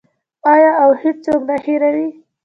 آیا او هیڅوک نه هیروي؟